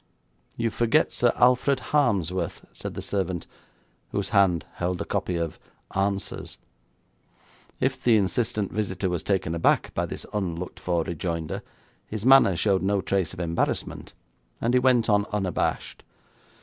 'You forget Sir Alfred Harmsworth,' said the servant, whose hand held a copy of Answers. If the insistent visitor was taken aback by this unlooked for rejoinder, his manner showed no trace of embarrassment, and he went on unabashed.